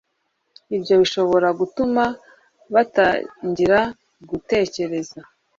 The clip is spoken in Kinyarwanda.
ibyo bishobora gutuma batangira gutekereza